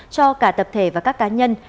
cho cả tập thể và các cá nhân